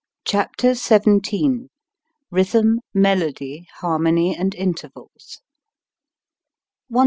CHAPTER XVII RHYTHM, MELODY, HARMONY AND INTERVALS 178.